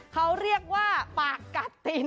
เขาเรียกว่าปากกัดติน